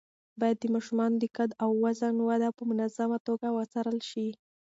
باید د ماشومانو د قد او وزن وده په منظمه توګه وڅارل شي.